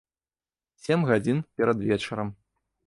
Сем гадзін перад вечарам.